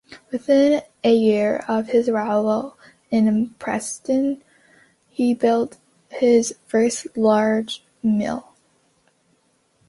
Within a year of his arrival in Preston he built his first large mill.